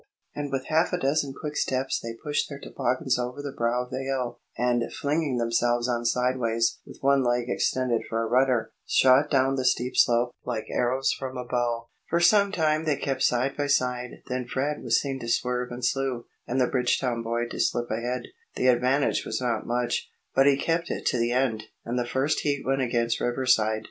and with half a dozen quick steps they pushed their toboggans over the brow of the hill, and flinging themselves on sideways with one leg extended for a rudder, shot down the steep slope like arrows from a bow. For some time they kept side by side. Then Fred was seen to swerve and slew, and the Bridgetown boy to slip ahead. The advantage was not much, but he kept it to the end, and the first heat went against Riverside.